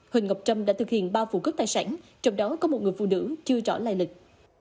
hình ngọc trâm đã thực hiện ba vụ cất tài sản trong đó có một người phụ nữ chưa trở lại lịch